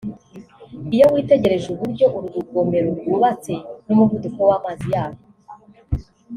Iyo witegereje uburyo uru rugomero rwubatse n’umuvuduko w’amazi yarwo